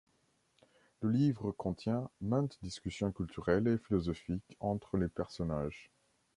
Le livre contient maintes discussions culturelles et philosophiques entre les personnages.